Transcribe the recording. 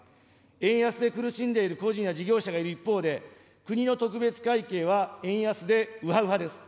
円安で苦しんでいる個人や事業者がいる一方で、国の特別会計は円安でウハウハです。